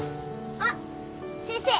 あっ先生。